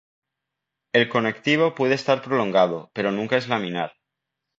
El conectivo puede estar prolongado, pero nunca es laminar.